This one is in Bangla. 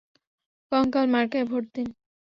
কঙ্কাল মার্কায় ভোট দিন।